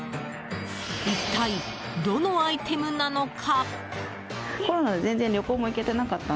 一体、どのアイテムなのか。